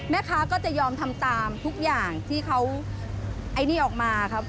แม่ค้าก็จะยอมทำตามทุกอย่างที่เขาไอ้นี่ออกมาครับ